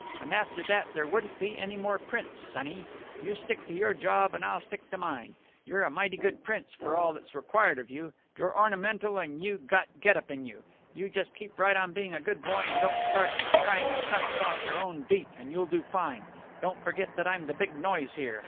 And after that there wouldn't be any more Prince, sonnie. You stick to your job and I'll stick to mine. You're a mighty good Prince for all that's required of you. You're ornamental, and you've got get up in you. You just keep right on being a good boy, and don't start trying stunts off your own beat, and you'll do fine. Don't forget that I'm the big noise here.